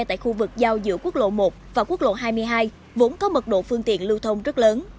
tại khu vực giao giữa quốc lộ một và quốc lộ hai mươi hai vốn có mật độ phương tiện lưu thông rất lớn